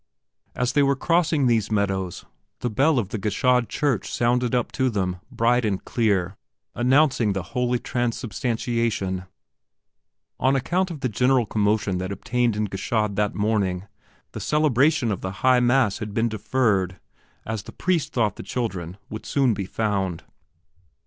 As they were crossing these meadows, the bell of the Gschaid church sounded up to them bright and clear, announcing the Holy Transubstantiation. [Illustration: THE BARBER SHOP BENJAMIN VAUTIER] On account of the general commotion that obtained in Gschaid that morning, the celebration of the High mass had been deferred, as the priest thought the children would soon be found.